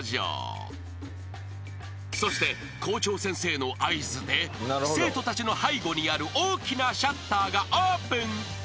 ［そして校長先生の合図で生徒たちの背後にある大きなシャッターがオープン］